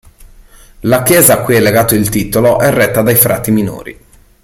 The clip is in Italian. La chiesa a cui è legato il titolo è retta dai Frati Minori.